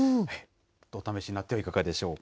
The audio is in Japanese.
お試しになってみてはいかがでしょうか。